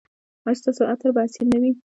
ایا ستاسو عطر به اصیل نه وي؟